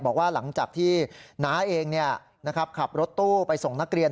บอกว่าหลังจากที่น้าเองขับรถตู้ไปส่งนักเรียน